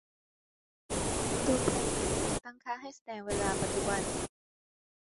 ตัวแปรนี้ถูกตั้งค่าให้แสดงเวลาปัจจุบัน